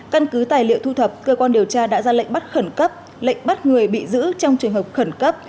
căn cứ tài liệu thu thập cơ quan điều tra đã ra lệnh bắt khẩn cấp lệnh bắt người bị giữ trong trường hợp khẩn cấp